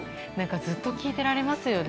ずっと聞いてられますよね。